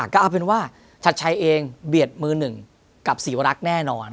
ก็เอาเป็นว่าชัดชัยเองเบียดมือหนึ่งกับศรีวรักษ์แน่นอน